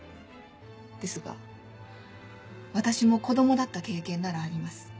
ですが私も子供だった経験ならあります。